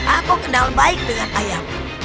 aku kenal baik dengan ayam